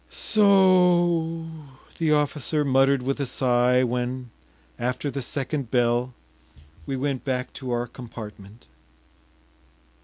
“So o!...” the officer muttered with a sigh when, after the second bell, we went back to our compartment.